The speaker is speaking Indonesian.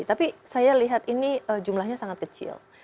tapi saya lihat ini jumlahnya sangat kecil